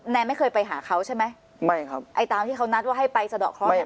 ไม่เคยไปหาเขาใช่ไหมไม่ครับไอ้ตามที่เขานัดว่าให้ไปสะดอกเคราะห์